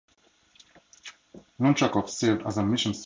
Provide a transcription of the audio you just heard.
Lonchakov served as a mission specialist.